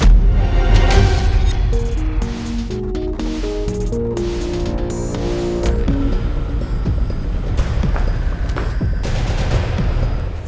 dan kamu bisa kehilangan semua yang sudah kamu miliki